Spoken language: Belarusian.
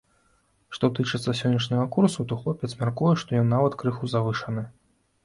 Што тычыцца сённяшняга курсу, то хлопец мяркуе, што ён нават крыху завышаны.